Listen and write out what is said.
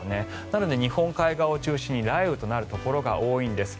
なので日本海側を中心に雷雨となるところが多いんです。